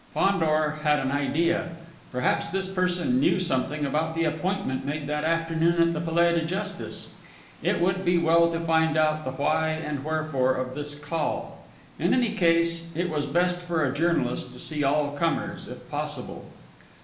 Fandor had an idea: perhaps this person knew something about the appointment made that afternoon at the Palais de Justice! It would be well to find out the why and wherefore of this call. In any case, it was best for a journalist to see all comers, if possible.